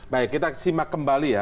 baik kita simak kembali ya